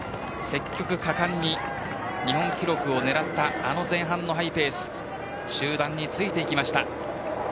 果敢に日本記録を狙った前半のハイペースが集団に付いていきました。